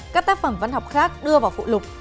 các tác phẩm văn học khác đưa vào phụ lục